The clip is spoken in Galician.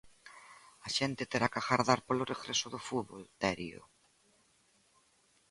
A xente terá que agardar polo regreso do fútbol, Terio.